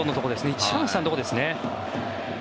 一番下のところですね。